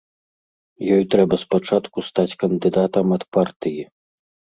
Ёй трэба спачатку стаць кандыдатам ад партыі.